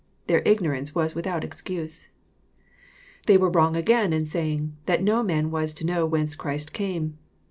Their ignorance was without excuse. They were wrong again in saying " that no man was to know whence Christ came."